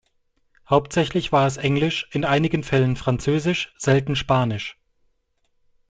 Hauptsächlich war es Englisch, in einigen Fällen Französisch, selten Spanisch.